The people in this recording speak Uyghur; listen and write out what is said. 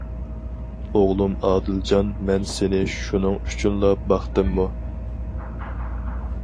-ئوغلۇم ئادىلجان مەن سېنى شۇنىڭ ئۈچۈنلا باقتىممۇ؟ .